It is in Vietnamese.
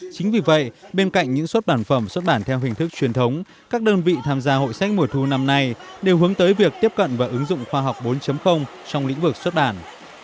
chính vì vậy bên cạnh những xuất bản phẩm xuất bản theo hình thức truyền thống các đơn vị tham gia hội sách mùa thu năm nay đều hướng tới việc tiếp cận và ứng dụng khoa học bốn trong lĩnh vực xuất bản